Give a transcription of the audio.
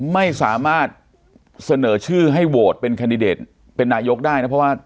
ไม่สามารถเสนอชื่อให้โวร์ดเป็นคันเดดเป็นนายโยคได้เพราะว่า